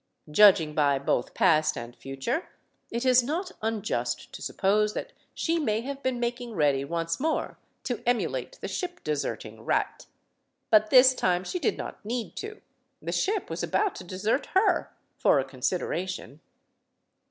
Judging by both past and future, it is not unjust to suppose that she may have been making ready once more to emulate the ship deserting rat. But this time she did not need to. The ship was about to desert her for a consideration.